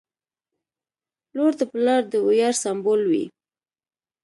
• لور د پلار د ویاړ سمبول وي.